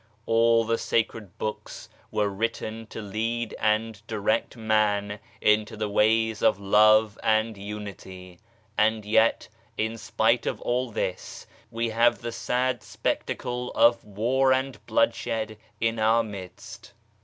All the sacred Books were written to lead and direct man into the ways of Love and Unity ; and yet, in spite of all this, we have the sad spectacle of war and bloodshed in our midst.